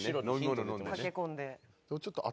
駆け込んで。